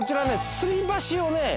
吊り橋をね